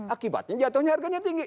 akibatnya jatuhnya harganya tinggi